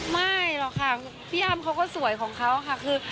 ไม่หรอกค่ะพี่อ้ำเขาก็สวยของเขาค่ะคือ